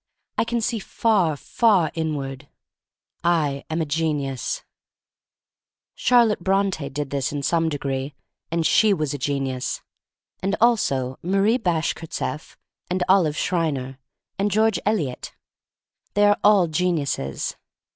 I can see far, far inward. I am a genius. 62 THE STORY OF MARY MAC LANE Charlotte Bronte did this in some degree, and she was a genius; and also Marie Bashkirtseff, and Olive Schreiner, and George Eliot. They are all gen iuses.